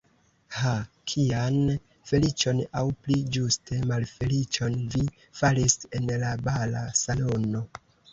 Ha, kian feliĉon, aŭ pli ĝuste malfeliĉon, vi faris en la bala salono!